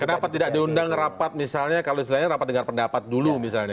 kenapa tidak diundang rapat misalnya kalau istilahnya rapat dengar pendapat dulu misalnya